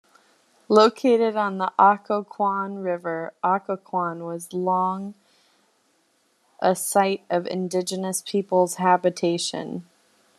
Located on the Occoquan River, Occoquan was long a site of indigenous peoples' habitation.